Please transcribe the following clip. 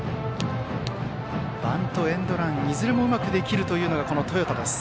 バント、エンドランいずれもうまくできるのが豊田です。